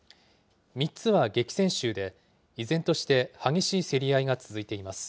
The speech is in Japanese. ３つは激戦州で、依然として激しい競り合いが続いています。